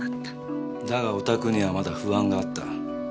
だがおたくにはまだ不安があった。